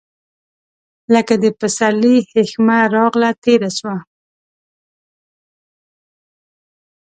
لکه د پسرلي هیښمه راغله، تیره سوه